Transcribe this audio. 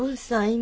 今。